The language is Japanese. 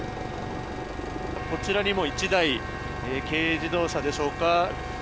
こちらにも１台軽自動車でしょうか。